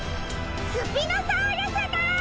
スピノサウルスだ！